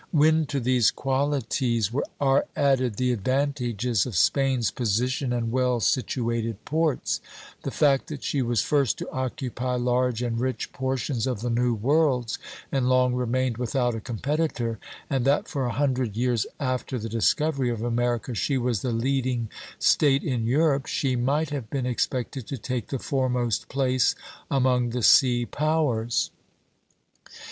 When to these qualities are added the advantages of Spain's position and well situated ports, the fact that she was first to occupy large and rich portions of the new worlds and long remained without a competitor, and that for a hundred years after the discovery of America she was the leading State in Europe, she might have been expected to take the foremost place among the sea powers.